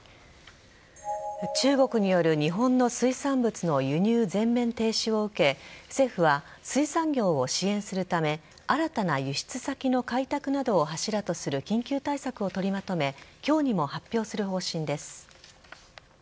中国による日本の水産物の輸入全面停止を受け政府は、水産業を支援するため新たな輸出先の開拓などを柱とする緊急対策をとりまとめ今日にも発表する方針です。